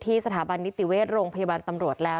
สถาบันนิติเวชโรงพยาบาลตำรวจแล้ว